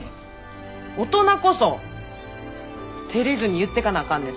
大人こそてれずに言ってかなあかんねん。